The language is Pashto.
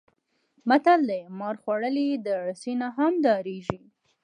متل دی: مار خوړلی د رسۍ نه هم ډارېږي.